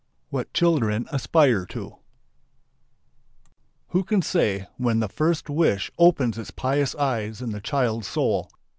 WHAT CHILDREN ASPIRE TO Who can say when the first wish opens its pious eyes in the child's soul?